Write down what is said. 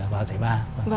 và giải ba